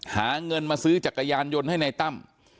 หาเงินมาซื้อจักรยานยนต์ให้ในตั้ม